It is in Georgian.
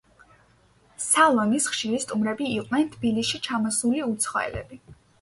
სალონის ხშირი სტუმრები იყვნენ თბილისში ჩამოსული უცხოელები.